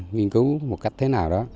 nghiên cứu một cách thế nào đó